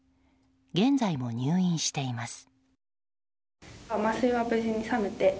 現在も入院しています。